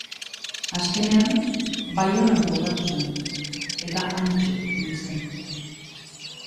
Azkenean, Baionan kokatu zen, eta hantxe hil zen.